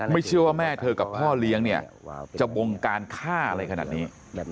เชื่อว่าแม่เธอกับพ่อเลี้ยงเนี่ยจะบงการฆ่าอะไรขนาดนี้